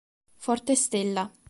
Forte Stella